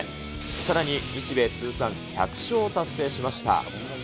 さらに日米通算１００勝を達成しました。